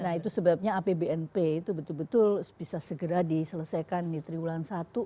nah itu sebabnya apbnp itu betul betul bisa segera diselesaikan di triwulan satu